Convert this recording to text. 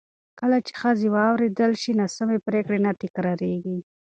کله چې ښځې واورېدل شي، ناسمې پرېکړې نه تکرارېږي.